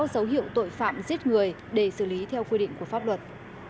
dấu hiệu tội phạm giết người để xử lý theo quy định của pháp luật